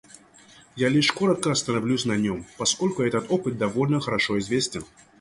Я лишь коротко остановлюсь на нем, поскольку этот опыт довольно хорошо известен.